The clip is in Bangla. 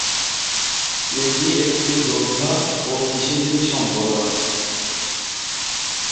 এটি একটি যোদ্ধা ও কৃষিজীবী সম্প্রদায়।